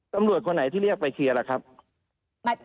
ตำรวจคนไหนที่เรียกไปเคลียร์ล่ะครับ